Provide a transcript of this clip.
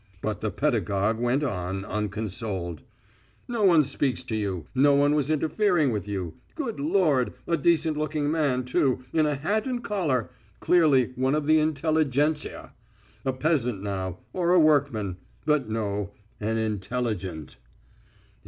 But the pedagogue went on, unconsoled: "No one speaks to you. No one was interfering with you. Good Lord! a decent looking man too, in a hat and a collar, clearly one of the intelligentia. ... A peasant now, or a workman ... but no, an intelligent!"